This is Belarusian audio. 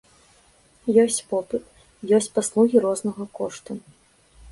Ёсць попыт, ёсць паслугі рознага кошту.